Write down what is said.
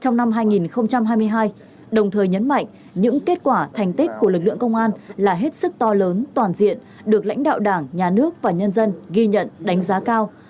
trong năm hai nghìn hai mươi hai đồng thời nhấn mạnh những kết quả thành tích của lực lượng công an là hết sức to lớn toàn diện được lãnh đạo đảng nhà nước và nhân dân ghi nhận đánh giá cao